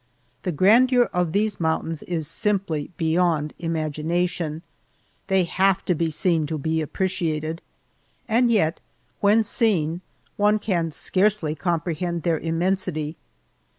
The grandeur of these mountains is simply beyond imagination; they have to be seen to be appreciated, and yet when seen, one can scarcely comprehend their immensity.